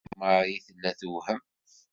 Marie tella tewhem.